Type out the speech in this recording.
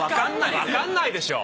わかんないでしょう。